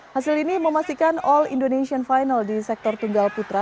hasil ini memastikan all indonesian final di sektor tunggal putra